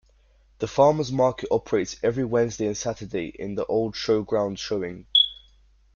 The Farmer's Market operates every Wednesday and Saturday in the old showground showing.